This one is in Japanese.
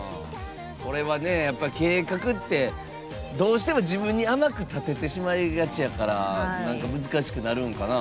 計画ってどうしても、自分に甘く立ててしまいがちやから難しくなるんかな。